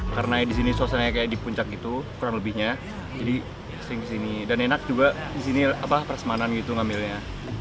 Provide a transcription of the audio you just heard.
karena disini suasananya kayak di puncak gitu kurang lebihnya jadi asing disini dan enak juga disini peresmanan gitu ngambilnya